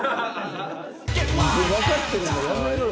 わかってるならやめろよ。